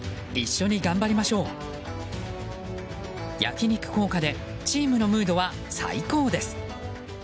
焼き肉効果でチームのムードは最高です。